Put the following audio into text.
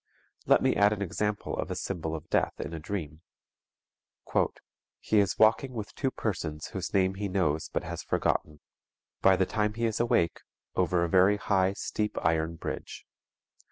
Let me add an example of a symbol of death in a dream: "_He is walking with two persons whose name he knows but has forgotten. By the time he is awake, over a very high, steep iron bridge.